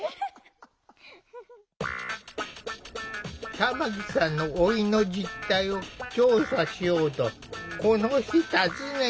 玉木さんの老いの実態を調査しようとこの日訪ねたのは。